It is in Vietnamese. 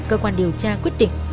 cơ quan điều tra quyết định